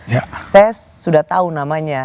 saya sudah tahu namanya